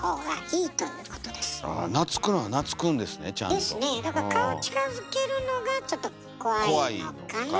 ですねだから顔近づけるのがちょっと怖いのかなあ。